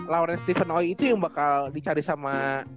lauren stephen oi itu yang bakal dicari sama